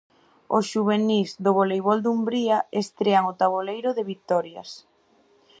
Os xuvenís do Voleibol Dumbría estrean o taboleiro de vitorias.